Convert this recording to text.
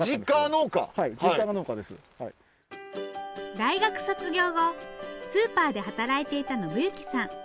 大学卒業後スーパーで働いていた信行さん。